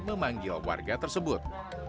memanggil warga tersebut